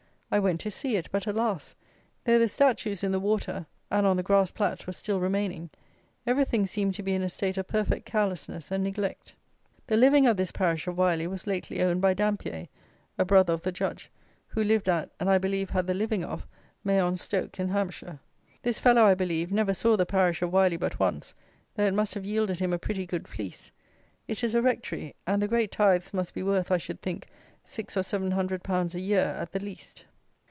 I went to see it; but, alas! though the statues in the water and on the grass plat were still remaining, everything seemed to be in a state of perfect carelessness and neglect. The living of this parish of Wyly was lately owned by Dampier (a brother of the Judge), who lived at, and I believe had the living of, Meon Stoke in Hampshire. This fellow, I believe, never saw the parish of Wyly but once, though it must have yielded him a pretty good fleece. It is a Rectory, and the great tithes must be worth, I should think, six or seven hundred pounds a year, at the least.